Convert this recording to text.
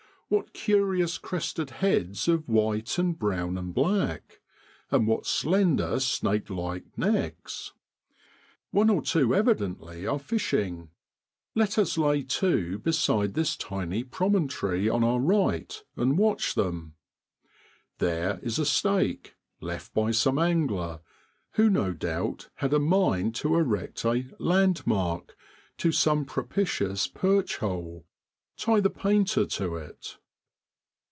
What curious crested heads of white and brown and black ; and what slender snake like necks ! One or two evidently are fishing. Let us lay to beside this tiny promontory on our right and watch them. There is a stake, left by some angler, who no doubt had a mind to erect a { land mark ' to some propitious perch hole : tie the painter to it.